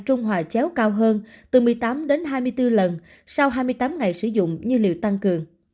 trung hòa chéo cao hơn từ một mươi tám hai mươi bốn lần sau hai mươi tám ngày sử dụng như liều tăng cường